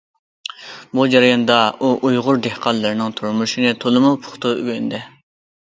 بۇ جەرياندا ئۇ ئۇيغۇر دېھقانلىرىنىڭ تۇرمۇشىنى تولىمۇ پۇختا ئۆگەندى.